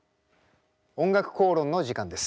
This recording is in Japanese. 「おんがくこうろん」の時間です。